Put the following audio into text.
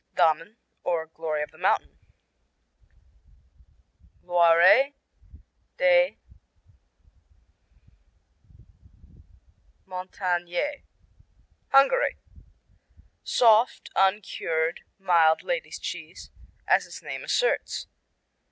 Damen, or Glory of the Mountains (Gloires des Montagnes) Hungary Soft, uncured, mild ladies' cheese, as its name asserts.